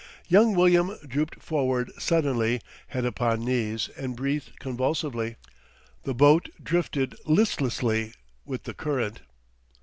Young William drooped forward suddenly, head upon knees, and breathed convulsively. The boat drifted listlessly with the current.